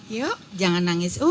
yuk jangan nangis